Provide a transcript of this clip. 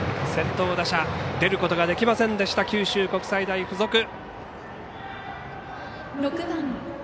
先頭打者出ることができませんでした九州国際大付属。